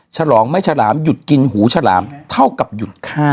ฉลองไม่ฉลามหยุดกินหูฉลามเท่ากับหยุดฆ่า